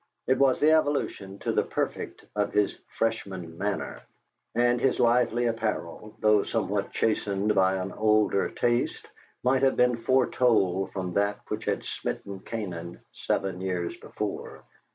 It was the evolution to the perfect of his Freshman manner, and his lively apparel, though somewhat chastened by an older taste, might have been foretold from that which had smitten Canaan seven years before.